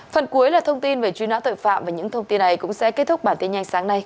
phần cuối là thông tin về truy nã tội phạm và những thông tin này cũng sẽ kết thúc bản tin nhanh sáng nay